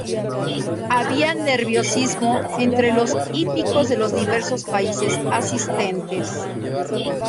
Había nerviosismo entre los hípicos de los diversos países asistentes.